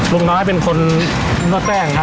ลุงน้อยเป็นคนนวดแป้งครับ